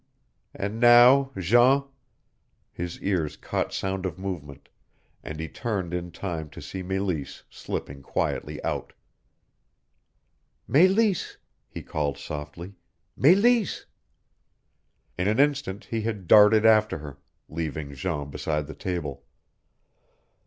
And now, Jean " His ears caught sound of movement, and he turned in time to see Meleese slipping quietly out. "Meleese!" he called softly. "Meleese!" In an instant he had darted after her, leaving Jean beside the table.